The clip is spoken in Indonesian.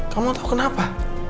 kamu tau kenapa